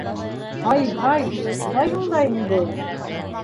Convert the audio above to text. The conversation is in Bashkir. Һай-һай, йоҡлайһың да инде.